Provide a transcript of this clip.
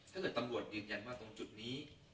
ถ้าเกิดตำรวจยืนยันว่าตรงจุดนี้